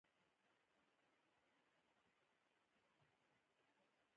د خېبر پښتونخوا شمالي ولسوالۍ بره چترال کوزه چترال